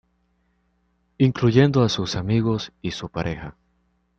Incluyendo a sus amigos y su pareja.